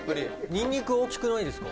ニンニク、大きくないですか？